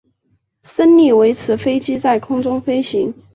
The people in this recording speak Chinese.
升力维持飞机在空中飞行。